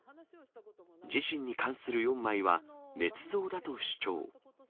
自身に関する４枚は、ねつ造だと主張。